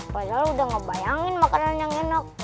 padahal udah gak bayangin makanan yang enak